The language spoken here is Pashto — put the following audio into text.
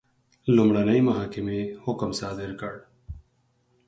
لومړنۍ محکمې حکم صادر کړ.